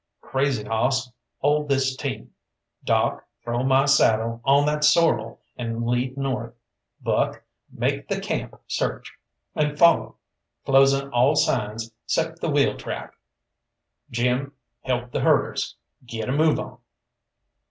Crazy Hoss, hold this team! Doc, throw my saddle on that sorrel, and lead north; Buck, make the camp search, and follow, closing all signs 'cept the wheel track! Jim, help the herders! Git a move on!"